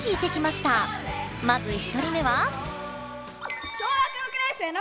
まず１人目は。